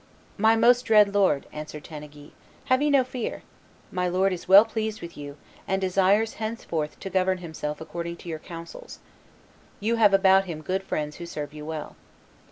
"My most dread lord," answered Tanneguy, "have ye no fear; my lord is well pleased with you, and desires henceforth to govern himself according to your counsels. You have about him good friends who serve you well."